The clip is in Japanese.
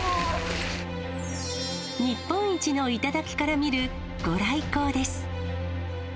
日本一の頂から見る御来光です。